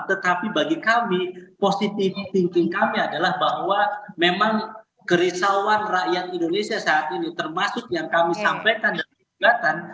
tetapi bagi kami positivity thinking kami adalah bahwa memang kerisauan rakyat indonesia saat ini termasuk yang kami sampaikan dalam gugatan